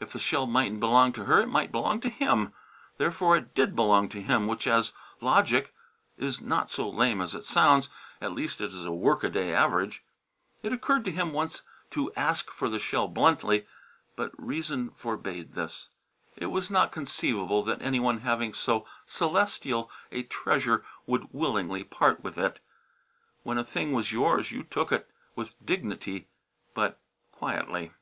If the shell mightn't belong to her it might belong to him; therefore it did belong to him; which, as logic, is not so lame as it sounds. At least it is a workaday average. It occurred to him once to ask for the shell bluntly. But reason forbade this. It was not conceivable that any one having so celestial a treasure would willingly part with it. When a thing was yours you took it, with dignity, but quietly.